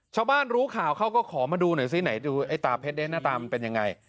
ชาวบ้านรู้ข่าวเขาก็ขอมาดูหน่อยซิไหนดูไอ้ตาเพชรหน้าตามันเป็นยังไง